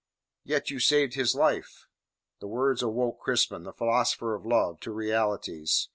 "Yet you saved his life." The words awoke Crispin, the philosopher of love, to realities.